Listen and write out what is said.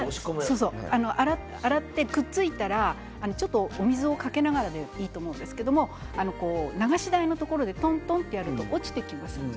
洗って、くっついたらちょっとお水をかけながらでいいと思うんですけど流し台のところでとんとんとやると落ちてきます。